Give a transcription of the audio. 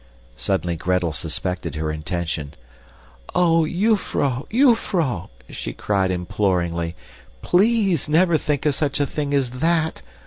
Suddenly Gretel suspected her intention. "Oh, jufvrouw! jufvrouw!" she cried imploringly. "PLEASE never think of such a thing as THAT.